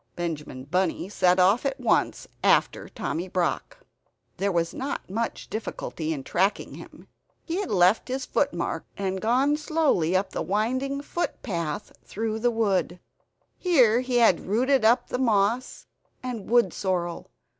Benjamin Bunny set off at once after Tommy Brock. There was not much difficulty in tracking him; he had left his foot mark and gone slowly up the winding footpath through the wood. Here he had rooted up the moss and wood sorrel.